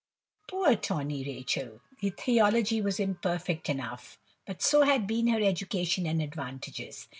Poor "Tawny Rachel!" The theology was imperfect enough; but so had been her education and advantages.